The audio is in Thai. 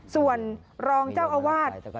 ส่วนรองเจ้าอาวาส